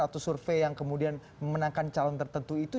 atau survei yang kemudian memenangkan calon tertentu itu